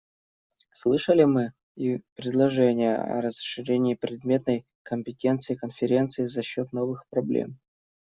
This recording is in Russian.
Слышали мы и предложения о расширении предметной компетенции Конференции за счет новых проблем.